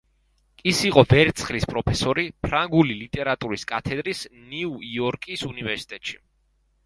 ის იყო ვერცხლის პროფესორი, ფრანგული ლიტერატურის კათედრის ნიუ-იორკის უნივერსიტეტში.